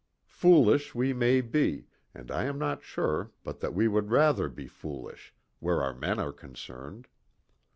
Foolish we may be, and I am not sure but that we would rather be foolish where our men are concerned.